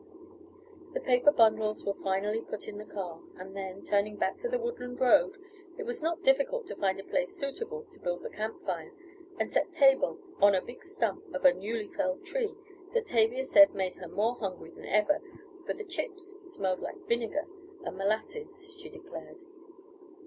The paper bundles were finally put into the car, and then, turning back to the woodland road, it was not difficult to find a place suitable to build the camp fire, and set table on a big stump of a newly felled tree that Tavia said made her more hungry than ever, for the chips smelt like vinegar and molasses, she declared.